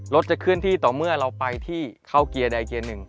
จะเคลื่อนที่ต่อเมื่อเราไปที่เข้าเกียร์ใดเกียร์หนึ่ง